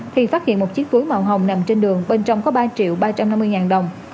thì phát hiện một chiếc túi màu hồng nằm trên đường bên trong có ba triệu ba trăm năm mươi ngàn đồng